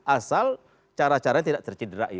asal cara caranya tidak tercederai